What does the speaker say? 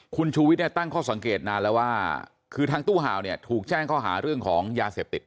คุณชูวิทย์เนี่ยตั้งข้อสังเกตนานแล้วว่าคือทางตู้ห่าวเนี่ยถูกแจ้งข้อหาเรื่องของยาเสพติด